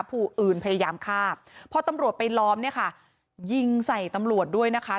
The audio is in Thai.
ผู้อื่นพยายามฆ่าพอตำรวจไปล้อมเนี่ยค่ะยิงใส่ตำรวจด้วยนะคะ